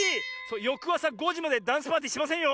よくあさ５じまでダンスパーティーしませんよ！